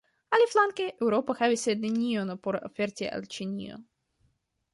Aliflanke, Eŭropo havis nenion por oferti al Ĉinio.